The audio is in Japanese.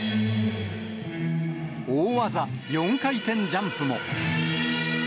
大技、４回転ジャンプも。